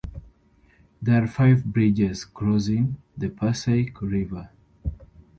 There are five bridges crossing the Passaic River.